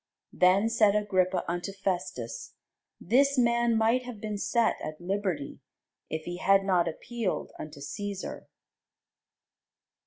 Then said Agrippa unto Festus, This man might have been set at liberty, if he had not appealed unto Cæsar.